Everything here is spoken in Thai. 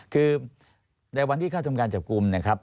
คือในวันที่เข้าทำการจับกลุ่มนะครับ